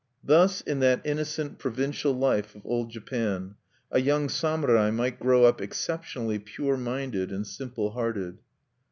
Thus, in that innocent provincial life of Old Japan, a young samurai might grow up exceptionally pure minded and simple hearted.